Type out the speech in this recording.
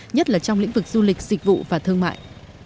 nhất là trong lĩnh vực du lịch dịch vụ và thương mại